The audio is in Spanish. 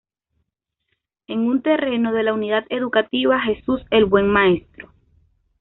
En un terreno de la "Unidad Educativa Jesús el Buen Maestro".